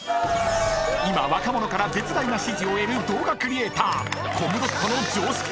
［今若者から絶大な支持を得る動画クリエーター］